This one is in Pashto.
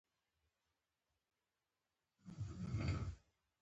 چې په حق ئې نو ځواکمن یې، دریځمن یې، عزتمن یې